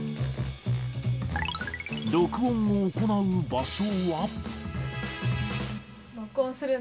録音を行う場所は？